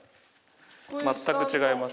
全く違います。